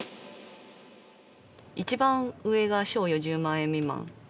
一番上が「賞与１０万円未満」。